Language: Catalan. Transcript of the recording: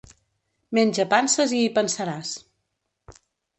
Menja panses i hi pensaràs.